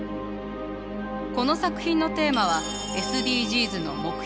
この作品のテーマはＳＤＧｓの目標